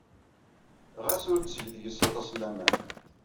Ɣas ur tteg deg-s aṭas laman.